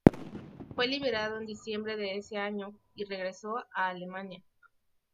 Fue liberado en diciembre de ese año, y regresó a Alemania.